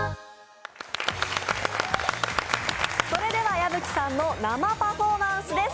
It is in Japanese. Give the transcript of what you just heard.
矢吹さんの生パフォーマンスです。